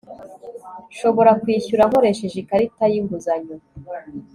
nshobora kwishyura nkoresheje ikarita y'inguzanyo